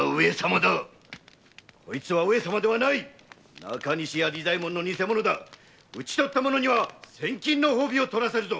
こいつは上様ではない中西屋利左衛門のニセ者だ討ち取った者には千金の褒美をとらせるぞ。